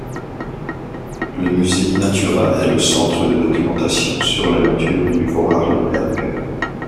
Le musée Inatura est le centre de documentation sur la nature du Vorarlberg.